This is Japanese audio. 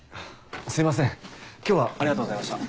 すいません今日はありがとうございました。